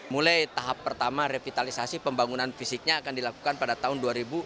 mulai tahap pertama revitalisasi pembangunan fisiknya akan dilakukan pada tahun dua ribu dua puluh